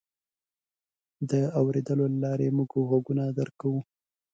د اورېدلو له لارې موږ غږونه درک کوو.